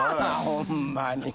ホンマに。